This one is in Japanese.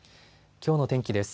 きょうの天気です。